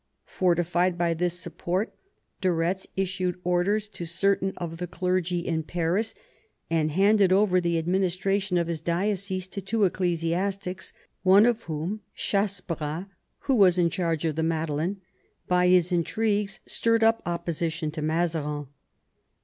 Fortified by this support, de Retz issued orders to certain of the clergy in Paris, and handed over the administration of his diocese to two ecclesiastics, one of whom, Chassebras, who was in charge of the Madeleine, by his intrigues stirred up opposition to Mazarin.